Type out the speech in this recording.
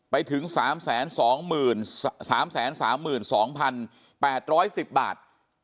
ไปถึง๓๒๓๓๒๘๑๐บาท